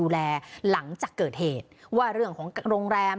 หลังจากเกิดเหตุว่าเรื่องของโรงแรม